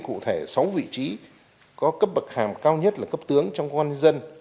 cụ thể sáu vị trí có cấp bậc hàm cao nhất là cấp tướng trong quân dân